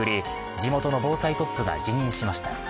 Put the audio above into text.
地元の防災トップが辞任しました。